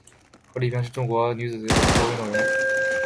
何丽萍是一名中国女子垒球运动员。